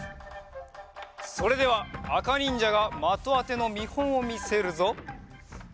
それではあかにんじゃがまとあてのみほんをみせるぞ。